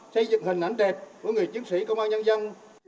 xây dựng hình ảnh đẹp của người chiến sĩ công an nhân dân